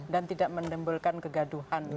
dan tidak menembulkan kegaduhan